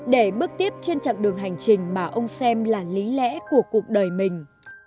để bước tiếp trên chặng đường hành trình mà ông xem là lý lẽ của cuộc đời mình